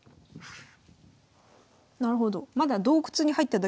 なるほど。